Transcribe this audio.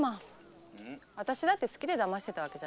私だって好きで騙してたわけじゃない。